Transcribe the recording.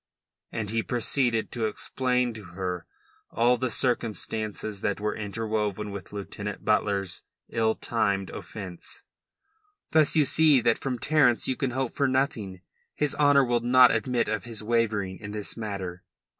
And he proceeded to explain to her all the circumstances that were interwoven with Lieutenant Butler's ill timed offence. "Thus you see that from Terence you can hope for nothing. His honour will not admit of his wavering in this matter."